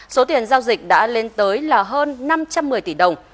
số tiền giao dịch đã lên tới là hơn năm trăm một mươi tỷ đồng